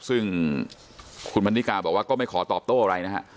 ซึ่งคุณพันนิกาบอกว่าก็ไม่ขอตอบโต้อะไรนะฮะ